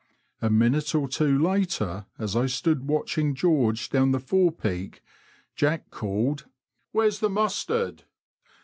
A minute or two later, as 1 stood watching George down the forepeak. Jack called, *' Where's the mustard